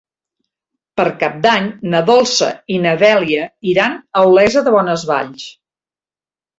Per Cap d'Any na Dolça i na Dèlia iran a Olesa de Bonesvalls.